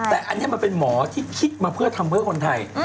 แต่อันนี้มันเป็นหมอที่คิดมาเพื่อทำเพื่อคนไทย